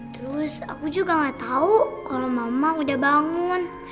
terus aku juga gak tau kalau mama udah bangun